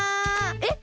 えっ？